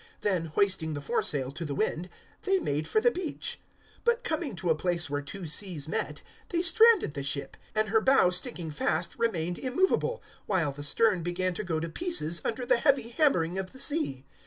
Then, hoisting the foresail to the wind, they made for the beach. 027:041 But coming to a place where two seas met, they stranded the ship, and her bow sticking fast remained immovable, while the stern began to go to pieces under the heavy hammering of the sea.